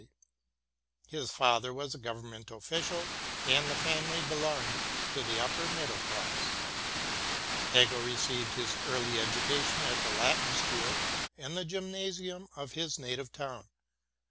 His father was a government official, and the family be longed to the upper middle class. Hegel received his early education at the Latin School and the Gymnasium of his native town.